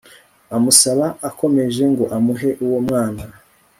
amusaba akomeje ngo amuhe uwo mwana